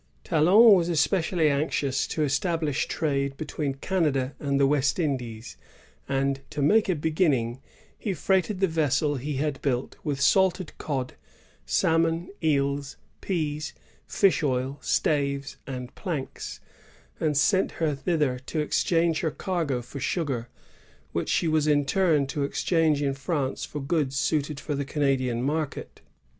Talon was especially anxious to establish trade between Canada and the West Indies ; and, to make a beginning, he freighted the vessel he had built with salted cod, salmon, eels, pease, fish oil, staves, and planks, and sent her thither to exchange her cargo for sugar, which she was iq turn to exchange in France for goods suited for the Canadian market.